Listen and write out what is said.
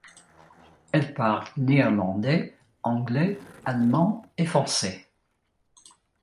Elle parle néerlandais, anglais, allemand et français.